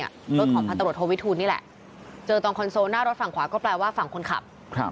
รถของพันตรวจโทวิทูลนี่แหละเจอตรงคอนโซลหน้ารถฝั่งขวาก็แปลว่าฝั่งคนขับ